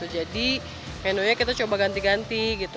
jadi menunya kita coba ganti ganti gitu